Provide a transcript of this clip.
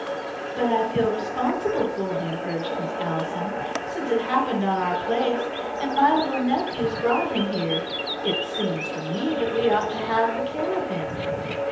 "But I feel responsible for him," urged Miss Allison. "Since it happened on our place, and my little nephews brought him here, it seems to me that we ought to have the care of him."